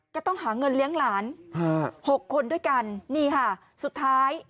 ก็ต้องหาเงินเลี้ยงหลาน๖คนด้วยกันนี่ค่ะสุดท้าย